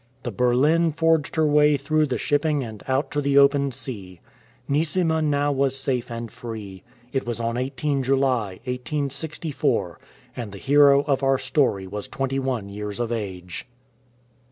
The Berlin forged her way through the shipping and out to the open sea. Neesima now was safe and free. It was on 18 July, 1864, and the hero of our story was 21 years of age.